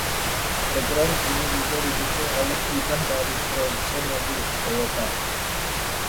Program ini juga didukung oleh hibah dari produsen mobil, Toyota.